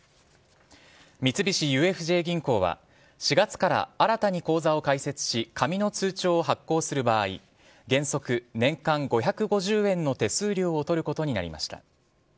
三菱ＵＦＪ銀行は４月から新たに口座を開設し紙の通帳を発行する場合原則、年間５５０円の手数料を取ることになりました。